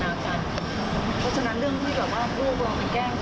เพราะเมื่อเช้านี้น้องออกจากบ้านน้องไม่มีอะไรเลย